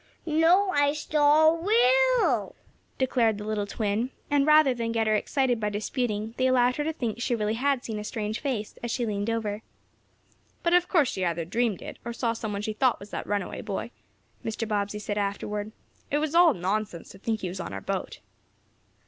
"No, I saw Will!" declared the little twin, and, rather than get her excited by disputing, they allowed her to think she really had seen a strange face, as she leaned over. "But of course she either dreamed it, or saw some one she thought was that runaway boy," Mr. Bobbsey said, afterward. "It's all nonsense to think he was on our boat."